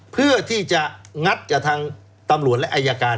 เพื่อที่จะงัดกับทางตำรวจและอายการ